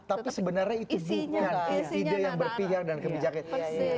tapi sebenarnya itu bukan ide yang berpihak dan kebijakannya